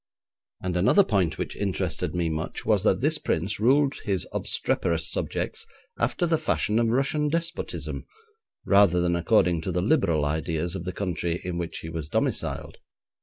And another point which interested me much was that this prince ruled his obstreperous subjects after the fashion of Russian despotism, rather than according to the liberal ideas of the country in which he was domiciled.